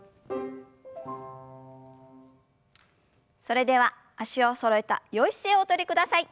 それでは脚をそろえたよい姿勢をおとりください。